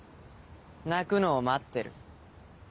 鳴くのを待ってる。